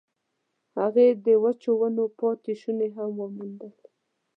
هغې د وچو ونو پاتې شوني هم وموندل.